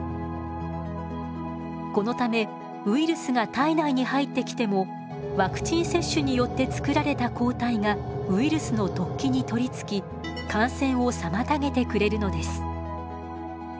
このためウイルスが体内に入ってきてもワクチン接種によってつくられた抗体がウイルスの突起に取りつき感染を妨げてくれるのです。